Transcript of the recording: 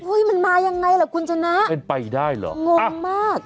อุ้ยมันมายังไงหรอคุณจนาเป็นไปได้หรองงมาก